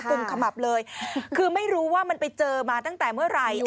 ุ่มขมับเลยคือไม่รู้ว่ามันไปเจอมาตั้งแต่เมื่อไหร่